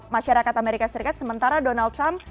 masyarakat amerika serikat sementara donald trump